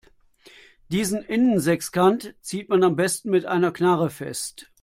Diesen Innensechskant zieht man am besten mit einer Knarre fest.